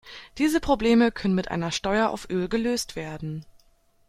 Diese Probleme können mit einer Steuer auf Öl gelöst werden.